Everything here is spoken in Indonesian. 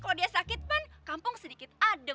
kalo dia sakit kan kampung sedikit adem